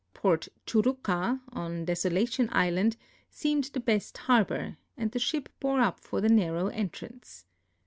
Port Churruca, on Desolation island, seemed the best harbor, and the ship bore up for the narrow entrance.